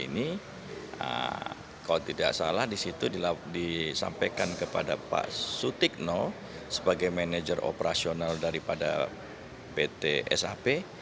kalau tidak salah disitu disampaikan kepada pak sutikno sebagai manajer operasional daripada ptsap